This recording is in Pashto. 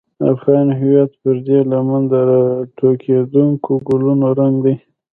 افغان هویت پر دې لمن د راټوکېدونکو ګلونو رنګ دی.